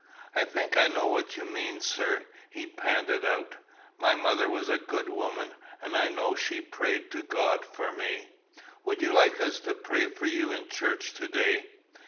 "I think I know what you mean, sir," he panted out. "My mother was a good woman, and I know she prayed to God for me." "Would you like us to pray for you in church to day?"